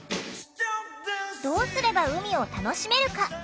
どうすれば海を楽しめるか？